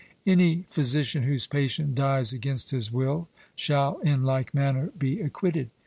Any physician whose patient dies against his will shall in like manner be acquitted.